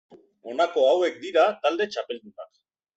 Honako hauek dira talde txapeldunak.